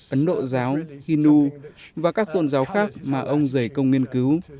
ấn độ giáo hindu và các tôn giáo khác mà ông giải công nghiên cứu